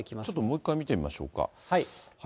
ちょっともう一回見てみましょうか。